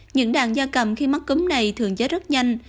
những đàn da cầm khi mắc cấm này thường chết rất nhanh